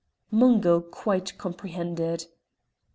Mungo quite comprehended.